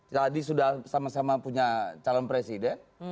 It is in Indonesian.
tadi sudah sama sama punya calon presiden